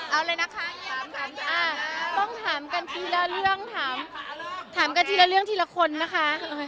เอาเลยนะคะต้องถามกันทีละเรื่องถามกันทีละเรื่องทีละคนนะคะ